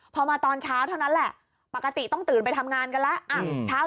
พอมาตอนเช้าเท่านั้นแหละปกติต้องตื่นไปทำงานกันแล้ว